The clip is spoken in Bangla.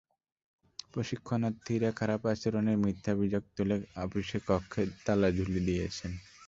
প্রশিক্ষণার্থীরা খারাপ আচরণের মিথ্যা অভিযোগ তুলে অফিস কক্ষে তালা ঝুলিয়ে দিয়েছেন।